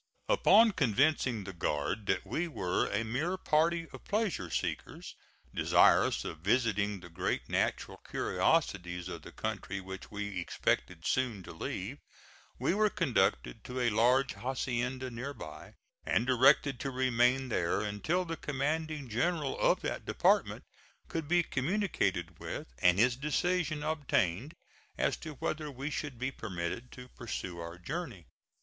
Upon convincing the guard that we were a mere party of pleasure seekers desirous of visiting the great natural curiosities of the country which we expected soon to leave, we were conducted to a large hacienda near by, and directed to remain there until the commanding general of that department could be communicated with and his decision obtained as to whether we should be permitted to pursue our journey.